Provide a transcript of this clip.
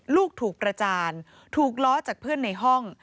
ลูกถูกประจานถูกล้อจากเพื่อนในห้อง